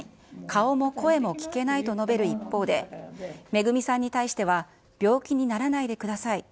顔も声も聞けないと述べる一方で、めぐみさんに対しては、病気にならないでください。